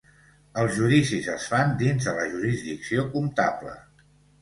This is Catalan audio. Els judicis es fan dins de la jurisdicció comptable.